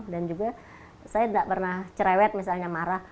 dan juga saya tidak pernah cerewet misalnya marah